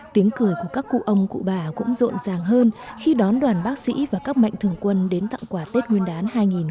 tiếng cười của các cụ ông cụ bà cũng rộn ràng hơn khi đón đoàn bác sĩ và các mạnh thường quân đến tặng quà tết nguyên đán hai nghìn hai mươi